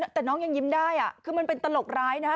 แต่น้องยังยิ้มได้คือมันเป็นตลกร้ายนะฮะ